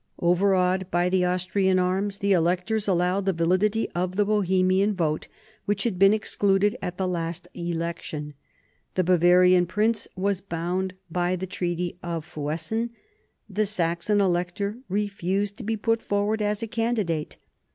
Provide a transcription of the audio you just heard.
Overawed by the Austrian arms, the electors allowed the validity of the Bohemian vote, which had been excluded at the last election. The Bavarian prince was bound by the Treaty of Fuessen. The Saxon Elector refused to be put forward as a candidate.